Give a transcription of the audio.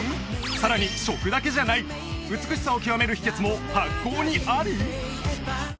さらに食だけじゃない美しさを極める秘訣も発酵にあり？